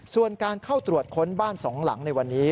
ส่วนการเข้าตรวจค้นบ้านสองหลังในวันนี้